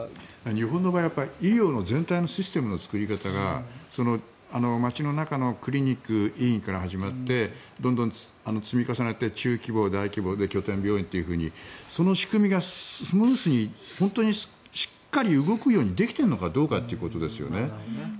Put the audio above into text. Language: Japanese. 日本の場合は医療全体のシステムの作り方が街の中のクリニック、医院から始まってどんどん積み重なって中規模、大規模、拠点病院とその仕組みがスムーズにしっかり動くようにできているのかどうかですよね。